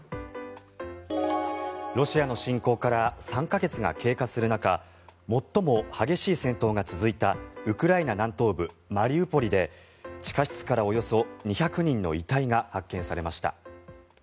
ロシアの侵攻から３か月が経過する中最も激しい戦闘が続いたウクライナ南東部マリウポリで地下室からおよそ２００人の遺体が発見されました。